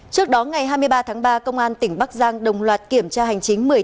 trước đó ngày hai mươi ba tháng ba công an tỉnh bắc giang đồng loạt kiểm tra hành chính